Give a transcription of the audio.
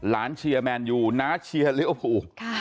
ร้านเชียร์แมนอยู่น้าเชียร์เรียวผูก